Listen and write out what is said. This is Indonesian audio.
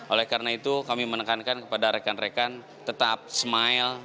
oleh karena itu kami menekankan kepada rekan rekan tetap smile